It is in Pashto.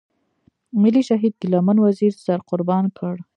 ملي شهيد ګيله من وزير سر قربان کړ.